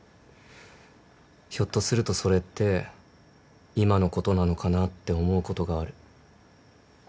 ひょっとするとそれって今のことなのかなって思うことがある。